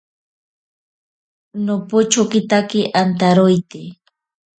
Nopochokitake antaroite.